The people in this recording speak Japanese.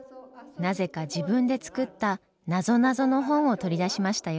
なぜか自分で作ったなぞなぞの本を取り出しましたよ。